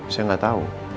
saya gak tahu